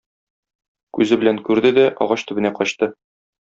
Күзе белән күрде дә агач төбенә качты.